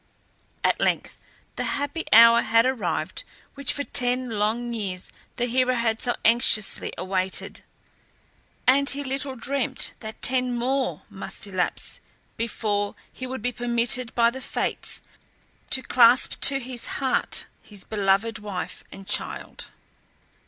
At length the happy hour had arrived which for ten long years the hero had so anxiously awaited, and he little dreamt that ten more must elapse before he would be permitted by the Fates to clasp to his heart his beloved wife and child.